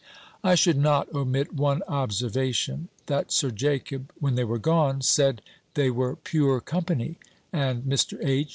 I should not omit one observation; that Sir Jacob, when they were gone, said they were pure company; and Mr. H.